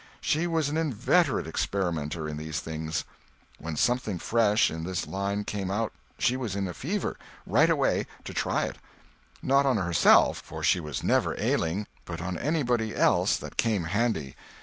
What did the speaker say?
She was an inveterate experimenter in these things. When something fresh in this line came out she was in a fever, right away, to try it; not on herself, for she was never ailing, but on anybody else that came handy.